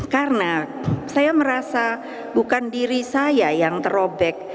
karena saya merasa bukan diri saya yang terobek